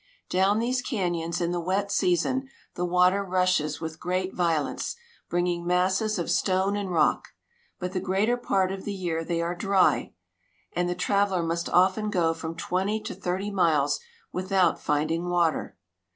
Down these canjmns in the wet season the water rushes with great violence, bringing masses of stone and rock ; but the greater part of the year they are diy, and the traveler must often go from twenty to thirty miles without finding water.